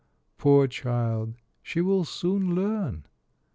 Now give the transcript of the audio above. Poor child, she will soon learn.